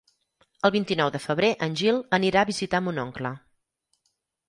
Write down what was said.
El vint-i-nou de febrer en Gil anirà a visitar mon oncle.